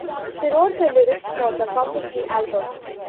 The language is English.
She wrote the lyrics for the "Come With Me" album.